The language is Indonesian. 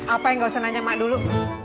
apa yang gak usah nanya mak dulu